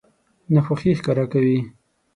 ناخوښي ښکاره کوي.